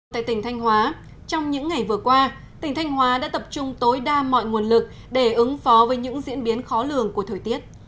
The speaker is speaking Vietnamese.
tại tỉnh thanh hóa trong những ngày vừa qua tỉnh thanh hóa đã tập trung tối đa mọi nguồn lực để ứng phó với những diễn biến khó lường của thời tiết